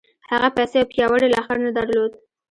هغه پيسې او پياوړی لښکر نه درلود.